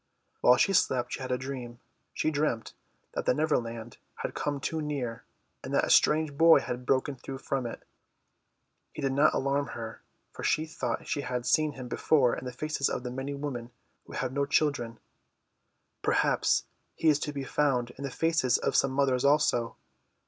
While she slept she had a dream. She dreamt that the Neverland had come too near and that a strange boy had broken through from it. He did not alarm her, for she thought she had seen him before in the faces of many women who have no children. Perhaps he is to be found in the faces of some mothers also.